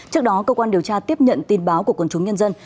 trước đó cơ quan điều tra tiếp nhận tin báo của quân chúng nhân dân